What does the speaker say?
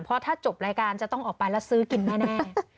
เพราะถ้าจบรายการจะต้องออกไปแล้วซื้อกินแน่